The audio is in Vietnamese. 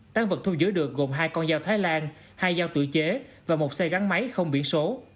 tăng vật thu giữ được gồm hai con dao thái lan hai dao tự chế và một xe gắn máy không biển số